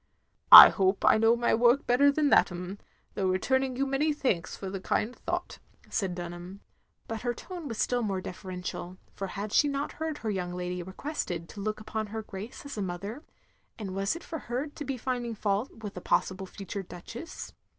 " I hope I know my work better than that 'm, OF GROSVENOR SQUARE 281 though rettiming you many thanks for the kind thought," said Dunham. But her tone was still more deferential; for had she not heard her young lady requested to look upon her Grace as a mother, and was it for her to be finding fatdt with a pos sible future Duchess?